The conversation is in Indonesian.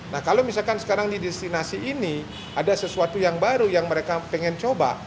nah kalau misalkan sekarang di destinasi ini ada sesuatu yang baru yang mereka pengen coba